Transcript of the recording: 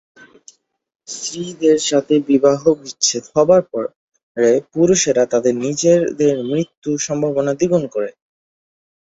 স্ত্রীদের সাথে বিবাহ বিচ্ছেদ হবার পরে পুরুষরা তাদের নিজের মৃত্যুর সম্ভাবনা দ্বিগুণ করে।